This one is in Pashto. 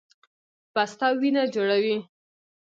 پسته وینه جوړوي